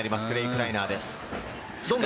クライナーです。